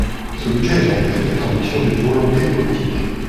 Ce budget est en effet la traduction d’une volonté politique.